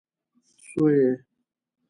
سويي